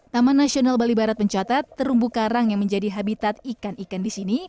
taman nasional bali barat mencatat terumbu karang yang menjadi habitat ikan ikan di sini